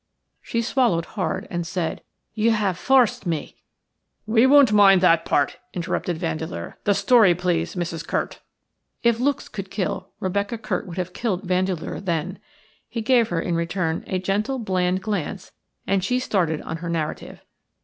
She swallowed hard, and said:– "You have forced me –" "We won't mind that part," interrupted Vandeleur. "The story, please, Mrs. Curt." If looks could kill, Rebecca Curt would have killed Vandeleur then. He gave her in return a gentle, bland glance, and she started on her narrative.